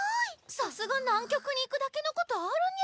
さすが南極に行くだけの事あるにゃ！